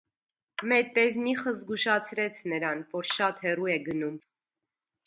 Մետտերնիխը զգուշացրեց նրան, որ «շատ հեռու է գնում»։